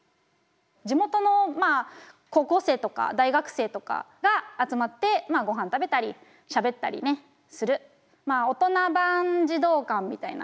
地元の高校生とか大学生とかが集まってごはん食べたりしゃべったりする大人版児童館みたいな。